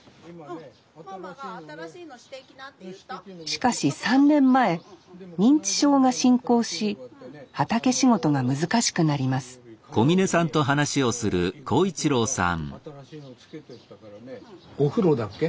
しかし３年前認知症が進行し畑仕事が難しくなりますお風呂だっけ？